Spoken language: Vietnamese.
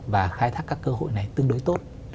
và khai thác các cơ hội này tương đối tốt